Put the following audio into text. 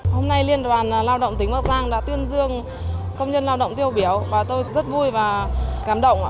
hôm nay liên đoàn lao động tỉnh bắc giang đã tuyên dương công nhân lao động tiêu biểu và tôi rất vui và cảm động